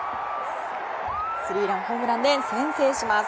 スリーランホームランで先制します。